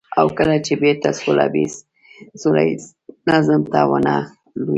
او کله چې بېرته سوله ييز نظم ته ونه لوېږي.